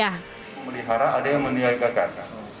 memelihara ada yang meniaikakan